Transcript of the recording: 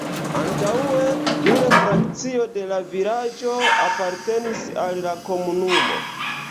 Antaŭe nur frakcio de la vilaĝo apartenis al la komunumo.